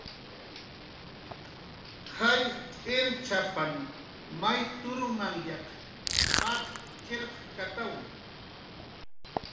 Marknhan turmanyaq jall wijchipanrw jalshki.